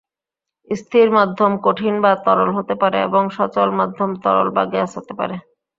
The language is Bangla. স্থির মাধ্যম কঠিন বা তরল হতে পারে এবং সচল মাধ্যম তরল বা গ্যাস হতে পারে।